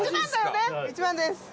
１番です。